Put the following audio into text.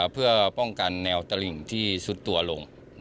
เพื่อป้องกันแนวตลิ่งที่สุดตัวลง